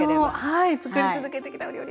はいつくり続けてきたお料理